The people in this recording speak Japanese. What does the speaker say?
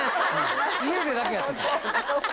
家でだけやってたの。